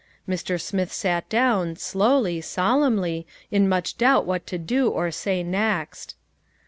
Mr. Smith sat down, slowly, solemnly, in much doubt what to do or say next.